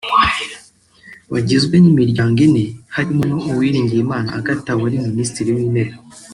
bagizwe n’imiryango ine harimo na Uwiringiyimana Agathe wari Minisitiri w’Intebe